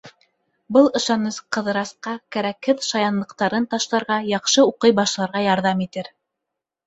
Был ышаныс Ҡыҙырасҡа кәрәкһеҙ шаянлыҡтарын ташларға, яҡшы уҡый башларға ярҙам итер.